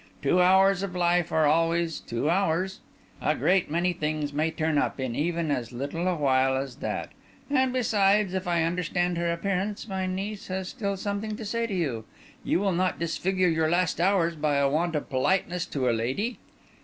Two hours of life are always two hours. A great many things may turn up in even as little a while as that. And, besides, if I understand her appearance, my niece has still something to say to you. You will not disfigure your last hours by a want of politeness to a lady?"